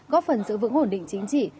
góp phần giữ vững ổn định chính trị